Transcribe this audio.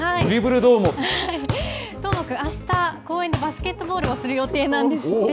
どーもくん、あした公園でバスケットボールをする予定なんですって。